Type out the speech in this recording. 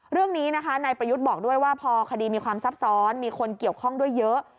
เรื่องนี้นะคะนายประยุทธ์บอกด้วยว่าพอคดีมีความซับซ้อนมีคนเกี่ยวข้องด้วยเยอะ